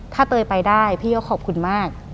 ถ้าเตยไปได้พี่ก็ขอบคุณมาก